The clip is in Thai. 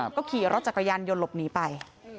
ก็ขี่รถจักรยานยนต์หลบหนีไป